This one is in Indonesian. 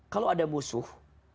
kalau ada musuh